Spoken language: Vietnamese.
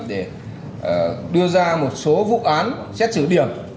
để đưa ra một số vụ án xét xử điểm